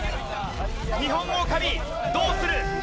ニホンオオカミどうする？